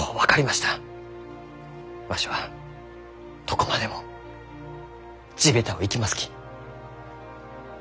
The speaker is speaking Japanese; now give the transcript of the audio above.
わしはどこまでも地べたを行きますき。